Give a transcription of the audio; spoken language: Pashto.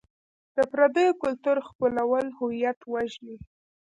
د پردیو کلتور خپلول هویت وژني.